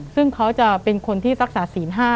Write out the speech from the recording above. ซึ่งเขาจะเป็นคนที่รักษาศีล๕